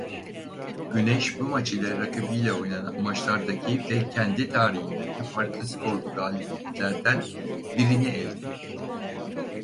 Güneş bu maç ile rakibiyle oynanan maçlardaki ve kendi tarihindeki farklı skorlu galibiyetlerden birini elde etti.